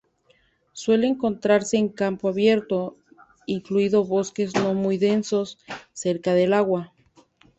Suele encontrarse en campo abierto, incluido bosques no muy densos, cerca del agua.